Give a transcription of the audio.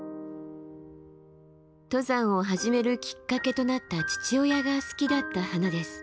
登山を始めるきっかけとなった父親が好きだった花です。